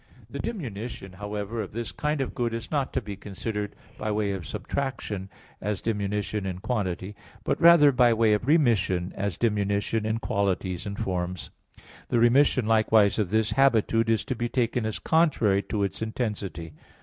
The diminution, however, of this kind of good is not to be considered by way of subtraction, as diminution in quantity, but rather by way of remission, as diminution in qualities and forms. The remission likewise of this habitude is to be taken as contrary to its intensity.